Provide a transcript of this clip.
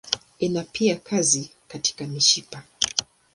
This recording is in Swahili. Ina pia kazi katika mishipa.